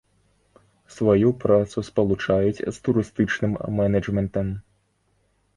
Сваю працу спалучаюць з турыстычным менеджментам.